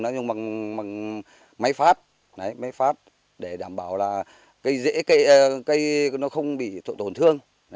ta dùng bằng máy phát để đảm bảo là cây dễ cây nó không bị tổn thương